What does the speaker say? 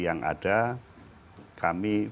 yang ada kami